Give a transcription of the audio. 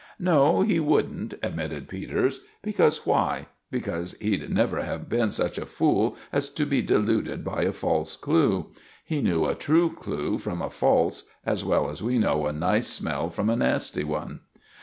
"No, he wouldn't," admitted Peters. "Because why? Because he'd never have been such a fool as to be deluded by a false clue. He knew a true clue from a false, as well as we know a nice smell from a nasty one."